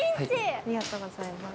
ありがとうございます。